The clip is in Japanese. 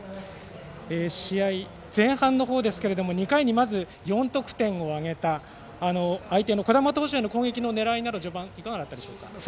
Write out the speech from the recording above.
試合前半の方ですが、２回にまず４得点を挙げた相手の児玉投手への攻撃の狙いなど、序盤いかがだったでしょうか？